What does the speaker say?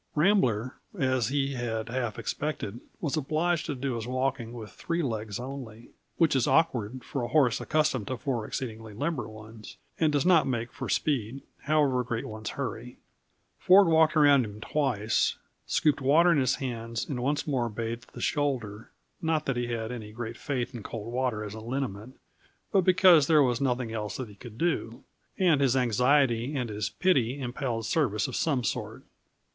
Rambler, as he had half expected, was obliged to do his walking with three legs only; which is awkward for a horse accustomed to four exceedingly limber ones, and does not make for speed, however great one's hurry. Ford walked around him twice, scooped water in his hands, and once more bathed the shoulder not that he had any great faith in cold water as a liniment, but because there was nothing else that he could do, and his anxiety and his pity impelled service of some sort.